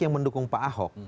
yang mendukung pak hock